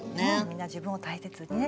みんな自分を大切にね。